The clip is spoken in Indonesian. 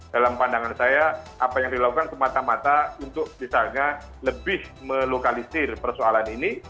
dalam pandangan saya apa yang dilakukan semata mata untuk misalnya lebih melokalisir persoalan ini